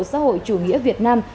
xã hội chủ nghĩa việt nam